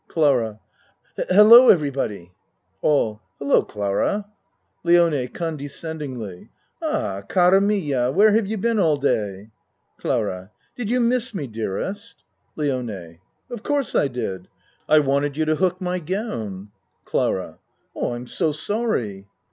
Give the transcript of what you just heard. CLARA Hello, everybody. ALL "Hello Clara." LIONE (Condescendingly.) Ah, cara mia, where have you been all day? CLARA Did you miss me, dearest? LIONE Of course I did. I wanted you to hook my gown. CLARA I am so sorry.